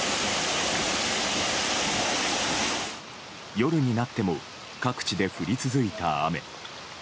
夜になっても各地で降り続いた雨。